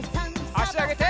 あしあげて。